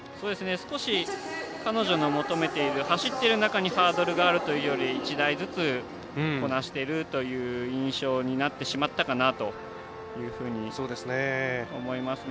少し彼女が求めている走っている中にハードルがあるというより１台ずつこなしているという印象になってしまったかなというふうに思いますね。